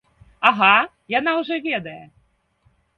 Ага, яна ўжо ведае!